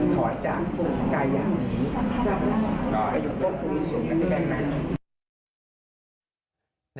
จำได้อยู่พบคุณส่วนอันนี้แบรนด์นะ